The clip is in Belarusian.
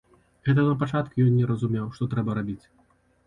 Гэта на пачатку ён не разумеў, што трэба рабіць.